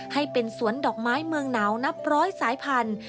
ให้เป็นสวนดอกไม้เมืองหนาวนับร้อยสายพันธุ